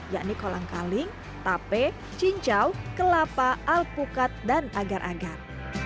yakni kolang kaling tape cincau kelapa alpukat dan agar agar